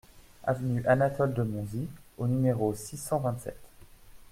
Avenue Anatole de Monzie au numéro six cent vingt-sept